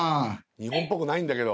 日本っぽくないんだけど。